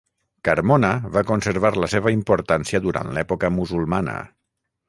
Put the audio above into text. Carmona va conservar la seva importància durant l'època musulmana.